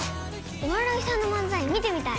お笑いさんの漫才見てみたい。